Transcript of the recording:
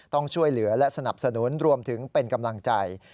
ต้องช่วยเหลือและสนับสนุนรวมถึงเป็นกำลังใจ